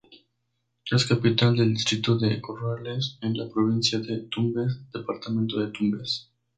Es capital del distrito de Corrales en la provincia de Tumbes, departamento de Tumbes.